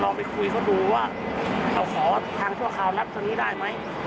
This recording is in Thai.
ไปคุยเขาดูว่าเอาขอทางชั่วคราวนับตรงนี้ได้ไหม